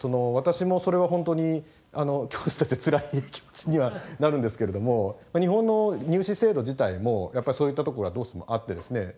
私もそれは本当に教師としてつらい気持ちにはなるんですけれども日本の入試制度自体もやっぱりそういったところがどうしてもあってですね